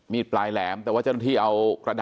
เป็นมีดปลายแหลมยาวประมาณ๑ฟุตนะฮะที่ใช้ก่อเหตุ